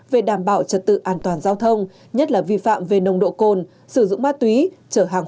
về đảm bảo trật tự an toàn giao thông nhất là vi phạm về nồng độ cồn sử dụng ma túy trở hàng